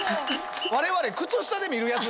我々靴下で見るやつ。